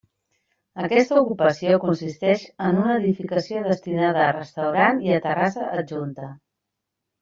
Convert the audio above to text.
Aquesta ocupació consisteix en una edificació destinada a restaurant i terrassa adjunta.